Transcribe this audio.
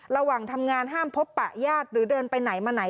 ระหว่างทำงานห้ามพบปะญาติหรือเดินไปไหนมาไหน